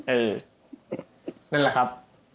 นั่นแหละครับ